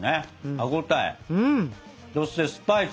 歯応えそしてスパイス。